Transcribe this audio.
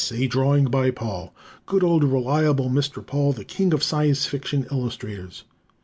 a drawing by Paul, good old reliable Mr. Paul, the king of Science Fiction illustrators.